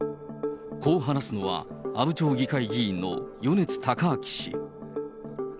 こう話すのは、阿武町議会議員の米津高明氏。